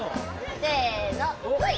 せのほい！